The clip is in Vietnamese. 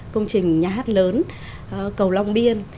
công trình nhà hát lớn cầu long biên